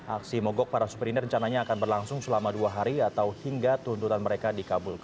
aksi mogok para supir ini rencananya akan berlangsung selama dua hari atau hingga tuntutan mereka dikabulkan